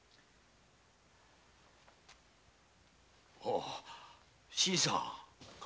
あ新さん。